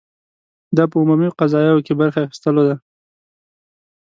دا په عمومي قضایاوو کې برخې اخیستلو ده.